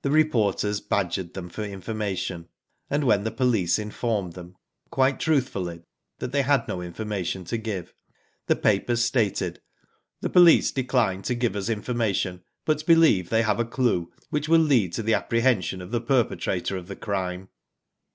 The reporters bad gered them for information, and when the police informed them, quite truthfully, they had no information to give, the papers stated *' the police decline to give us information, but believe they have a clue, which will lead to the apprehension of the perpetrator of the crime.'